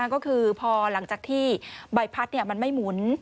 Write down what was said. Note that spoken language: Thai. ก็คือพอหลังจากที่ใบพัดมันไม่หมุน